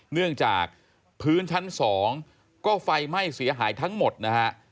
เนื่องจากพื้นชั้น๒ก็ไฟไหม้เสียหายทั้งหมดนะฮะ